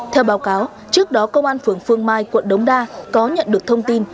theo báo cáo trước đó công an phường phương mai quận đống đa có nhận được thông tin